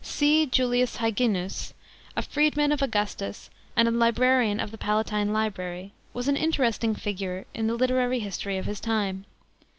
§ 8. C. JULIUS HYGINUS, a freedman of Augustus and librarian of the Palatine Library, was an interesting figure in the literary history of his time.